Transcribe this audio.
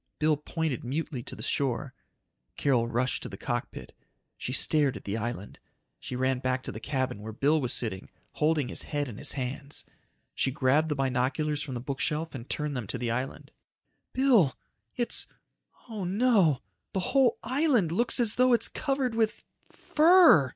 Bill pointed mutely to the shore. Carol rushed to the cockpit. She stared at the island. She ran back to the cabin where Bill was sitting, holding his head in his hands. She grabbed the binoculars from the bookshelf and turned them to the island. "Bill! It's ... oh no! The whole island looks as though it's covered with ... fur!"